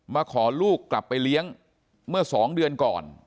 มาขอลูกกลับไปเลี้ยงเมื่อ๒เดือนก่อน